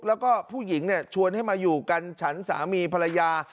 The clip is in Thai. แล้วก็ผู้หญิงชวนให้มาอยู่กันฉันสามีภรรยา